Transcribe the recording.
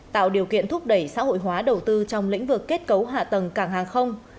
tạo điều kiện thúc đẩy xã hội hóa đầu tư trong lĩnh vực kết cấu hạ tầng cảng hàng không